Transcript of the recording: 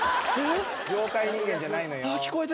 妖怪人間じゃないのよ。